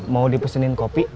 mau dipesenin kopi